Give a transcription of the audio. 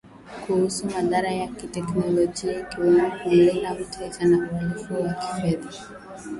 kuhusu madhara ya kiteknolojia ikiwemo kumlinda mteja na uhalifu wa kifedha